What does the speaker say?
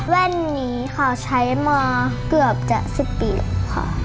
แว่นนี้เขาใช้มเกือบจะ๑๐ปีแล้วค่ะ